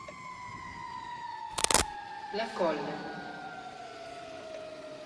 La Colle